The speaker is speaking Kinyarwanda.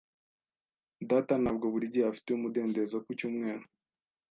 Data ntabwo buri gihe afite umudendezo ku cyumweru.